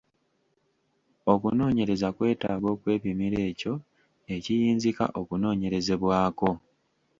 Okunoonyereza kwetaaga okwepimira ekyo ekiyinzika okunoonyerezebwako.